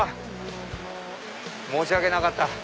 申し訳なかった。